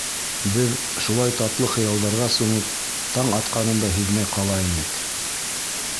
Беҙ, шулай татлы хыялдарға сумып, таң атҡанын да һиҙмәй ҡала инек.